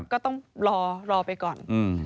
ก็ต้องรอไปก่อน